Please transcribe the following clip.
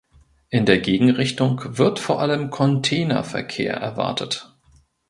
In der Gegenrichtung wird vor allem Containerverkehr erwartet.